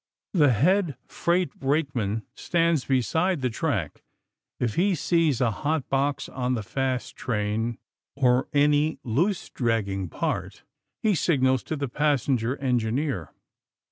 The head freight brakeman stands beside the track. If he sees a hot box on the fast train or any loose, dragging part he signals to the passenger engineer.